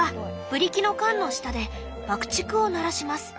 ブリキの缶の下で爆竹を鳴らします。